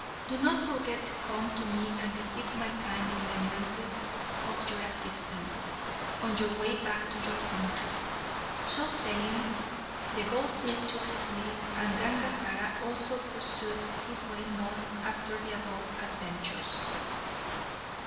Do not forget to come to me and receive my kind remembrances of your assistance, on your way back to your country." So saying, the goldsmith took his leave, and Gangazara also pursued his way north after the above adventures.